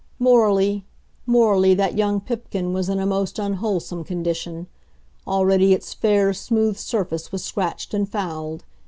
Morally morally, that young Pipkin was in a most unwholesome condition. Already its fair, smooth surface was scratched and fouled.